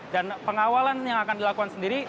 dan pengawalan yang akan dilakukan sendiri